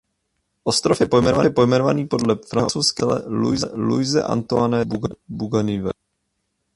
Ostrov je pojmenovaný podle francouzského objevitele Louise Antoine de Bougainville.